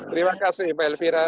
terima kasih mbak elvira